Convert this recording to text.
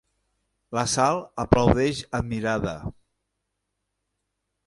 La Sal aplaudeix admirada.